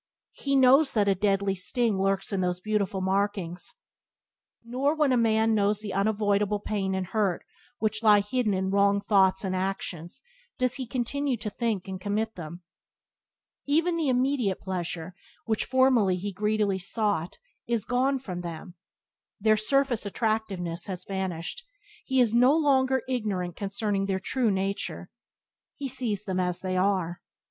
He knows that a deadly sting lurks in those beautiful markings. Nor, when a man knows the unavoidable pain and hurt which lie hidden in wrong thoughts and acts, does he continue to think and commit them. Even the immediate pleasure which formerly he greedily sought is gone from them; their surface attractiveness has vanished; he is no longer ignorant concerning their true nature; he sees them as they are.